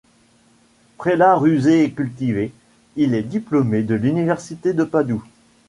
Prélat rusé et cultivé, il est diplômé de l'Université de Padoue.